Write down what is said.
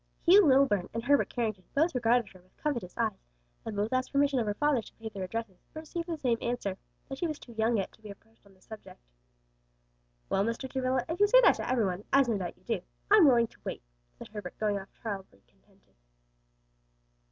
Hugh Lilburn and Herbert Carrington both regarded her with covetous eyes, and both asked permission of her father to pay their addresses, but received the same answer; that she was too young yet to be approached on that subject. "Well, Mr. Travilla, if you say that to every one, as no doubt you do, I'm willing to wait," said Herbert going off tolerably contented.